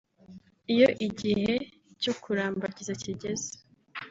Iyo igihe cyo kurambagiza kigeze